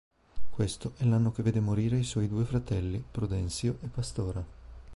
Questo è l'anno che vede morire i suoi due fratelli: Prudencio e Pastora.